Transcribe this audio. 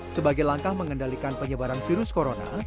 sebagai langkah mengendalikan penyebaran virus corona